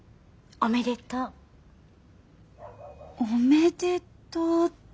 「おめでとう」って？